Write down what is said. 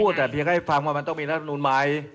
สถานการณ์จะไม่ไปจนถึงขั้นนั้นครับ